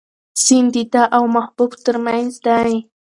سیند د ده او محبوب تر منځ دی.